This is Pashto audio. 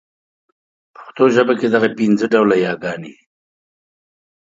په پښتو ژبه کي دغه پنځه ډوله يې ګاني